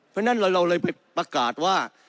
เพราะฉะนั้นเราเลยไปประกาศว่า